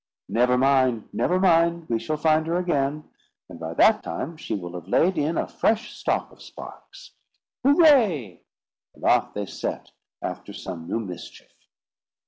"Never mind, never mind, we shall find her again; and by that time she will have laid in a fresh stock of sparks. Hooray!" And off they set, after some new mischief.